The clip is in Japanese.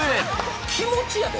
気持ちやで。